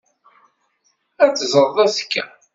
Ad t-teẓreḍ azekka.